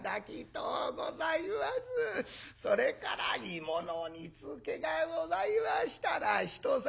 それから芋の煮つけがございましたら一皿。